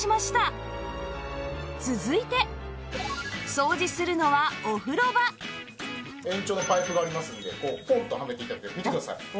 続いて掃除するのはお風呂場延長のパイプがありますんでこうポンッとはめて頂ければ見てください。